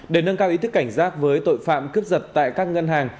để nâng cao ý thức cảnh giác với tội phạm cướp giật tại các ngân hàng